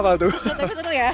tapi seru ya